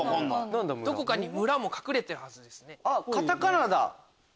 どこかに村も隠れてるはずです。